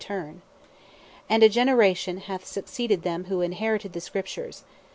P: And a generation hath succeeded them who inherited the scriptures.